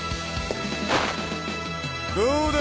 どうだ？